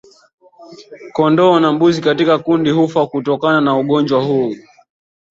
kondoo na mbuzi katika kundi hufa kutokana na ugonjwa huu